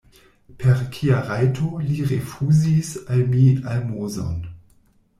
Per kia rajto li rifuzis al mi almozon?